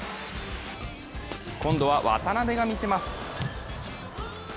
今度は渡辺がみせます。